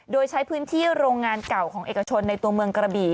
โดยใช้พื้นที่โรงงานเก่าของเอกชนในตัวเมืองกระบี่